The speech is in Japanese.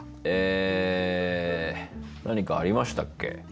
え何かありましたっけ？